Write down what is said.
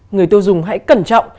người tiêu dùng hãy cẩn trọng